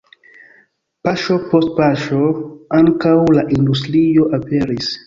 Paŝo post paŝo ankaŭ la industrio aperis.